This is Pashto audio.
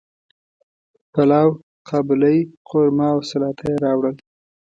پلاو، قابلی، قورمه او سلاطه یی راوړل